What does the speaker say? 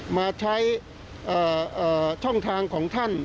มาใช้ช่องทางของท่าน